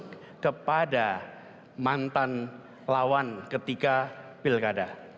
kepada mantan lawan ketika pilkada